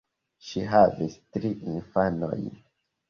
Ŝi havis tri infanojn.